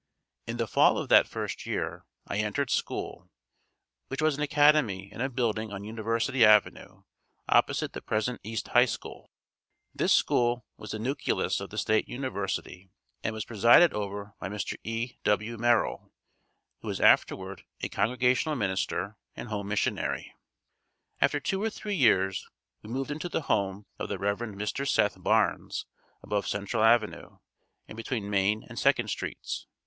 In the fall of that first year, I entered school, which was an academy in a building on University Avenue opposite the present East High School. This school was the nucleus of the State University and was presided over by Mr. E. W. Merrill, who was afterward a Congregational minister and home missionary. After two or three years we moved into the home of the Rev. Mr. Seth Barnes above Central Avenue, and between Main and Second streets.